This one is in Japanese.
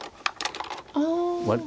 ああ。